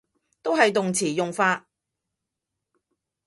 都係動詞用法